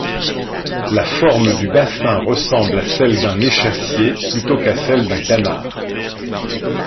La forme du bassin ressemble à celle d'un échassier plutôt qu'à celle d'un canard.